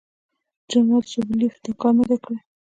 جنرال سوبولیف دا کار نه دی کړی.